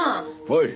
はい。